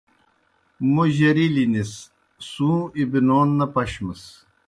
موْ جرِلنِس سُوں اِبنون نہ پشمِس۔